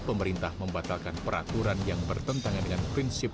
pemerintah membatalkan peraturan yang bertentangan dengan prinsip